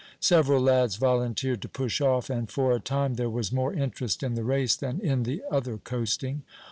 Several lads volunteered to push off, and for a time there was more interest in the race than in the other coasting.